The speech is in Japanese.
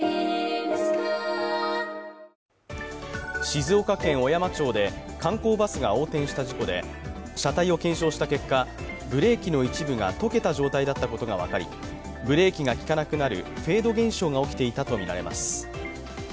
静岡県小山町で観光バスが横転した事故で車体を検証した結果、ブレーキの一部が溶けた状態だったことが分かり、ブレーキが利かなくなるフェード現象が起きていたとみられます。